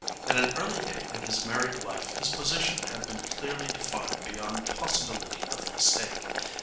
At an early date in his married life his position had been clearly defined beyond possibility of mistake.